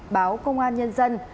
báo công an nhân dân